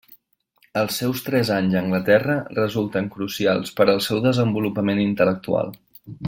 Els seus tres anys a Anglaterra resulten crucials per al seu desenvolupament intel·lectual.